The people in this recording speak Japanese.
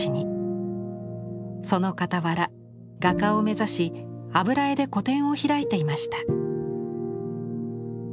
そのかたわら画家を目指し油絵で個展を開いていました。